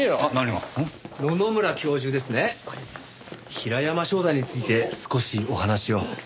平山翔太について少しお話を。